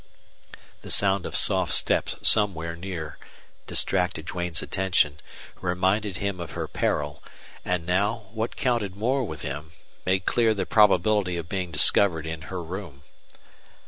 The sound of soft steps somewhere near distracted Duane's attention, reminded him of her peril, and now, what counted more with him, made clear the probability of being discovered in her room.